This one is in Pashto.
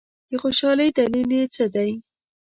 د خوشالۍ دلیل دي څه دی؟